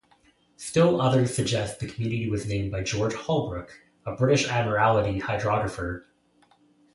Still others suggest the community was named by George Holbrook, a British Admiralty hydrographer.